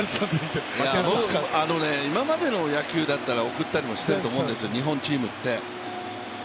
今までの野球だったら送ったりしてると思うんです日本チームって。